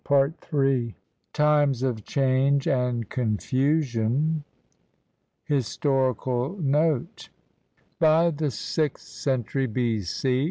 Ill TIMES OF CHANGE AND CONFUSION HISTORICAL NOTE By the sixth century, B.C.